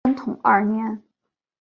宣统二年。